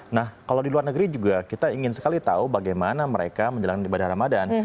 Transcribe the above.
nah kalau di luar negeri juga kita ingin sekali tahu bagaimana mereka menjalankan ibadah ramadan